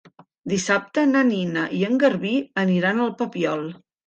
Dissabte na Nina i en Garbí aniran al Papiol.